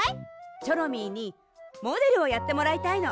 チョロミーにモデルをやってもらいたいの。